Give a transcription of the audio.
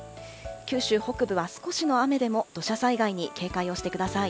九州北部は少しの雨でも土砂災害に警戒をしてください。